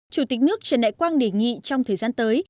chủ tịch nước trần đại quang đề nghị trong thời gian tới